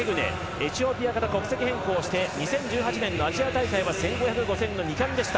エチオピアから国籍変更して２０１８年のアジア大会は１５００、５０００の２冠でした。